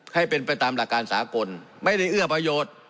ให้เป็นไปตามหลักการสากลไม่ได้เอื้อประโยชน์